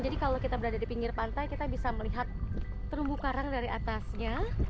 jadi kalau kita berada di pinggir pantai kita bisa melihat terumbu karang dari atasnya